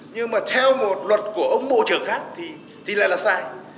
nhưng mà theo một luật của ông bộ trưởng khác thì lại là sai